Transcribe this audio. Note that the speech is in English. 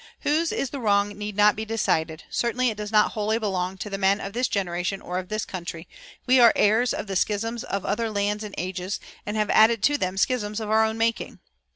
Whose is the wrong need not be decided; certainly it does not wholly belong to the men of this generation or of this country; we are heirs of the schisms of other lands and ages, and have added to them schisms of our own making.